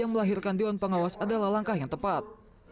dan mengakhirkan dewan pengawas adalah langkah yang tepat